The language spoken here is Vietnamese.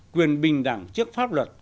quyền bình đẳng trước pháp luật